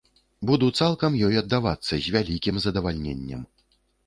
Буду цалкам ёй аддавацца, з вялікім задавальненнем.